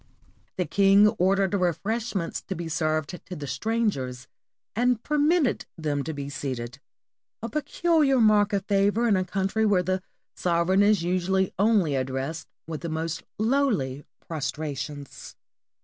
The king ordered refreshments to be served to the stran gers, and permitted them to be seated, a peculiar mark of favor in a country where the sovereign is usually only addressed with the most lowly prostrations.